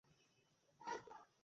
এতদূর এসেছি তাই এক সপ্তাহ থাকবো।